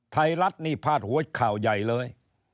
ไทยรัฐนี่พาดหัวข่าวใหญ่เลย